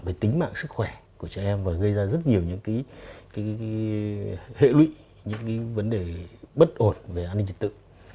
về tính mạng sức khỏe của trẻ em và gây ra rất nhiều những hệ lụy những cái vấn đề bất ổn về an ninh trật tự